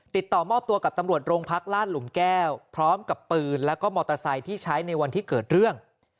ติดต่อมอบตัวกับตำรวจโรงพักลาดหลุมแก้วพร้อมกับปืนแล้วก็มอเตอร์ไซค์ที่ใช้ในวันที่เกิดเรื่อง